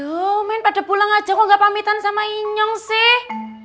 loh main pada pulang aja kok gak pamitan sama inyong sih